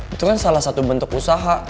itu kan salah satu bentuk usaha